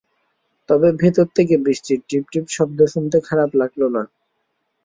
তবে ভেতর থেকে বৃষ্টির টিপ টিপ শব্দ শুনতে খারাপ লাগল না।